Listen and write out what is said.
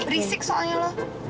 risik soalnya loh